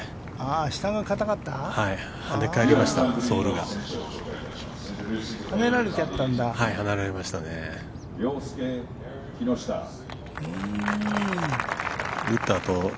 下がかたかった？